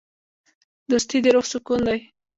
دوستي د روح سکون دی.